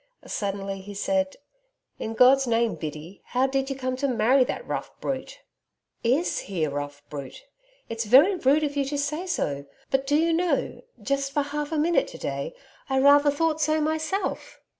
Suddenly he said: 'In God's name, Biddy, how did you come to marry that rough brute.' 'IS he a rough brute! It's very rude of you to say so. But do you know, just for a half minute to day, I rather thought so myself.